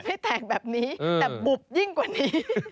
ให้แตกแบบนี้แต่บุบยิ่งกว่านี้